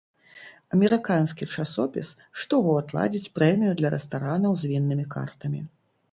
Амерыканскі часопіс штогод ладзіць прэмію для рэстаранаў з віннымі картамі.